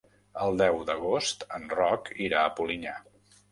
El deu d'agost en Roc irà a Polinyà.